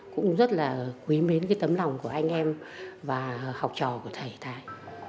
cũng rất là quý mến cái tấm lòng của anh em và học trò của thầy thái